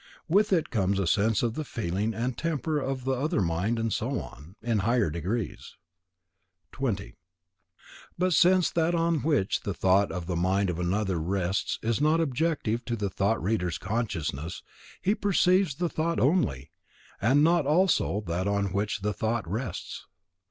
With it comes a sense of the feeling and temper of the other mind and so on, in higher degrees. 20. But since that on which the thought in the mind of another rests is not objective to the thought reader's consciousness, he perceives the thought only, and not also that on which the thought rests.